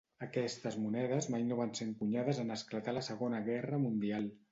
Aquestes monedes mai no van ser encunyades en esclatar la Segona Guerra Mundial.